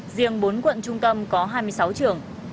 riêng bốn quận trung tâm có hai mươi sáu trường